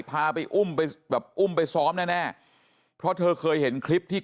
พาไปอุ้มไปซ้อมแน่เพราะเธอเคยเห็นคลิปที่